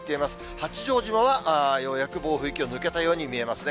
八丈島はようやく暴風域を抜けたように見えますね。